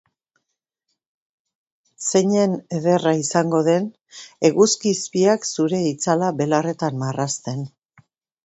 Zeinen ederra izango den, eguzki izpiak zure itzala belarretan marrazten.